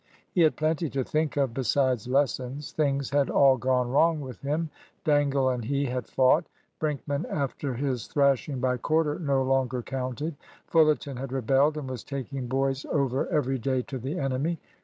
He had plenty to think of besides lessons. Things had all gone wrong with him. Dangle and he had fought. Brinkman, after his thrashing by Corder, no longer counted. Fullerton had rebelled, and was taking boys over every day to the enemy.